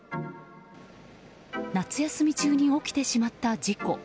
夏休み中に起きてしまった事故。